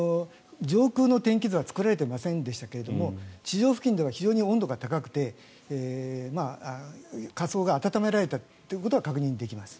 上空の天気図は作られていませんでしたが地上付近では非常に温度が高くて下層が暖められたということは確認できます。